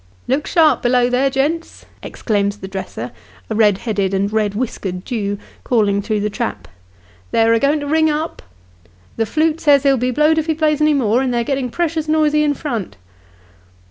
" Look sharp below there, gents," exclaims the dresser, a red headed aud red whiskered Jew, calling through the trap, " they're a going to ring up. The flute says he'll be blowed if he plays any more, and they're getting precious noisy in front."